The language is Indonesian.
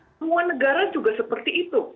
semua negara juga seperti itu